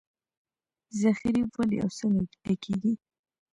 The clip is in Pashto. ذخیرې ولې او څنګه ډکېږي